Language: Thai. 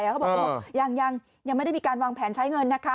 เขาบอกยังไม่ได้มีการวางแผนใช้เงินนะคะ